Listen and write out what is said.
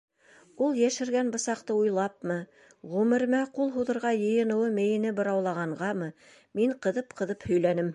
Ул йәшергән бысаҡты уйлапмы, ғүмеремә ҡул һуҙырға йыйыныуы мейене быраулағанғамы, мин ҡыҙып-ҡыҙып һөйләнем.